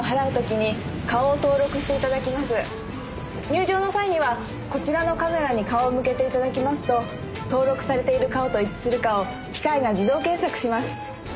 入場の際にはこちらのカメラに顔を向けていただきますと登録されている顔と一致するかを機械が自動検索します。